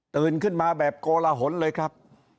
ขึ้นมาแบบโกลหนเลยครับ